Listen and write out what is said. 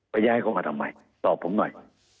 ย้ายเขามาทำไมตอบผมหน่อย